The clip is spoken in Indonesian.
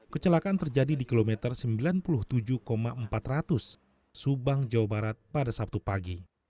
kecelakaan terjadi di kilometer sembilan puluh tujuh empat ratus subang jawa barat pada sabtu pagi